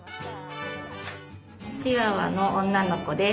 チワワの女の子です。